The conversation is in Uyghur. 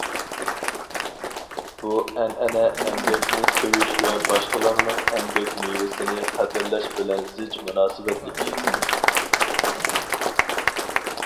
بۇ ئەنئەنە ئەمگەكنى سۆيۈش ۋە باشقىلارنىڭ ئەمگەك مېۋىسىنى قەدىرلەش بىلەن زىچ مۇناسىۋەتلىك.